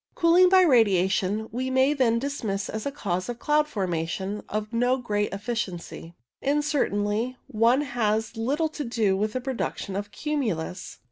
Cooling by radiation we may then dismiss as a cause of cloud formation of no great efificacy, and certainly one which has little to do with the production of cumulus.